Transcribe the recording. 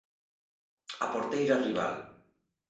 A porteira rival.